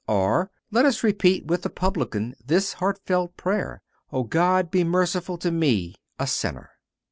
Or let us repeat with the publican this heartfelt prayer: "O God, be merciful to me a sinner."